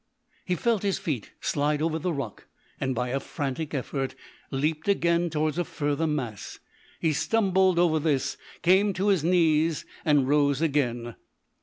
He felt his feet slide over the rock, and, by a frantic effort, leapt again towards a further mass. He stumbled over this, came to his knees, and rose again.